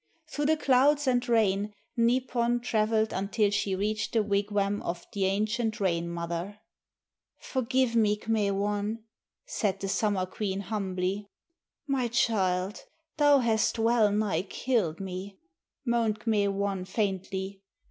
Through the clouds and rain Nipon traveled until she reached the wigwam of the ancient Rain mother. "Forgive me, K'me wan," said the Summer Queen humbly. "My child, thou hast well nigh killed me," moaned K'me wan faintly.